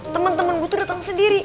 temen temen gue tuh datang sendiri